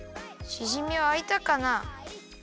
しじみあいたかな。